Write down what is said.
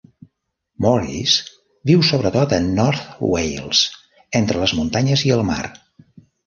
Morris viu sobretot a North Wales, entre les muntanyes i el mar.